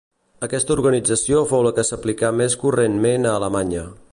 Aquesta organització fou la que s'aplicà més correntment a Alemanya.